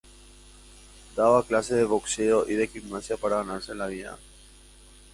Daba clases de boxeo y de gimnasia para ganarse la vida.